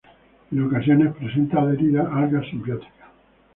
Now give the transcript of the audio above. En ocasiones presenta adheridas algas simbióticas.